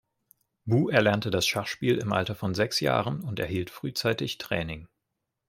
Bu erlernte das Schachspiel im Alter von sechs Jahren und erhielt frühzeitig Training.